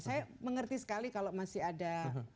saya mengerti sekali kalau masih ada